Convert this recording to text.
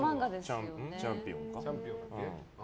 「チャンピオン」。